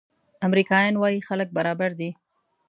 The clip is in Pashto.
امریکایان وايي خلک برابر دي.